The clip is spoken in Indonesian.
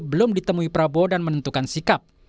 belum ditemui prabowo dan menentukan sikap